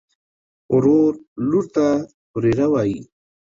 ورور لور ته وريره وايي.